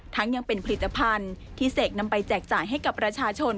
ยังเป็นผลิตภัณฑ์ที่เสกนำไปแจกจ่ายให้กับประชาชน